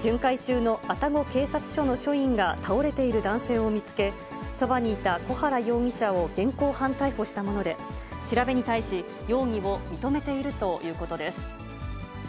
巡回中の愛宕警察署の署員が倒れている男性を見つけ、そばにいた小原容疑者を現行犯逮捕したもので、調べに対し、容疑を認めているということです。